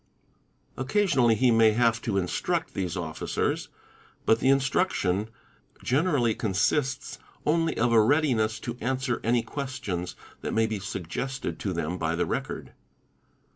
Occasionally he may have to "instruct'' these Officers, but the "instruction" generally consists only of a readiness to answer any questions that may be suggested to them by the record.